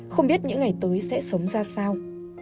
không biết những ngày tới sẽ sống ra sao